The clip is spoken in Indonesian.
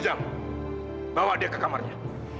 ujang bawa dia ke kamarnya